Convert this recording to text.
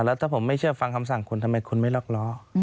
แล้วถ้าผมไม่เชื่อฟังคำสั่งคุณทำไมคุณไม่ล็อกล้อ